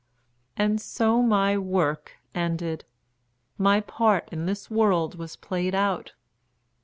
And so my work ended; my part in this world was played out.